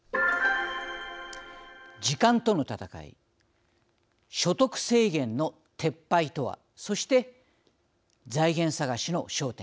時間との闘い所得制限の撤廃とはそして、財源探しの焦点